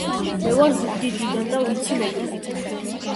მე ვარ ზუგდიდიდან და ვიცი მეგრული.